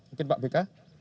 mungkin pak bk